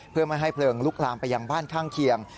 เพื่อไม่ให้เพลิงลุกลามไปยังบ้านข้างเคียง